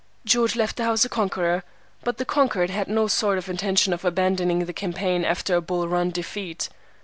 George left the house a conqueror, but the conquered had no sort of intention of abandoning the campaign after a Bull Run defeat.